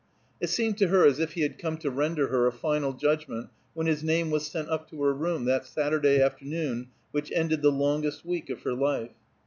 It seemed to her as if he had come to render her a final judgment when his name was sent up to her room, that Saturday afternoon which ended the longest week of her life.